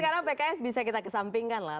kalau mungkin sekarang pks bisa kita kesampingkan lah